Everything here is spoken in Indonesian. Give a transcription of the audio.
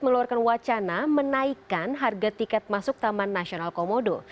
mengeluarkan wacana menaikkan harga tiket masuk taman nasional komodo